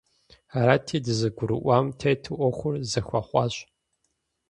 Арати, дызэрызэгурыӀуам тету Ӏуэхур зэхуэхъуащ.